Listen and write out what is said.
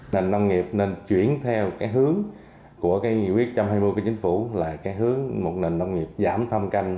nền nông nghiệp nên chuyển theo cái hướng của cái nghị quyết trong hai mươi cái chính phủ là cái hướng một nền nông nghiệp giảm thăm canh